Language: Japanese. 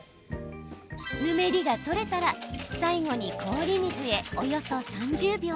ぬめりが取れたら最後に氷水へ約３０秒。